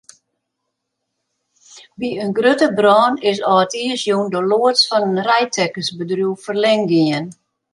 By in grutte brân is âldjiersjûn de loads fan in reidtekkersbedriuw ferlern gien.